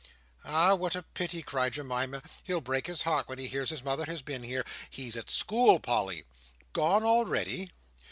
"Ah what a pity!" cried Jemima. "He'll break his heart, when he hears his mother has been here. He's at school, Polly." "Gone already!"